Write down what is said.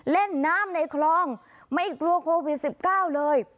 เล่นน้ำในคลองไม่กลัวโควิด๑๙เลย